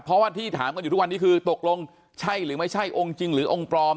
เพราะว่าที่ถามกันอยู่ทุกวันนี้คือตกลงใช่หรือไม่ใช่องค์จริงหรือองค์ปลอม